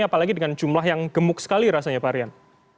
apalagi dengan jumlah yang gemuk sekali rasanya pak rian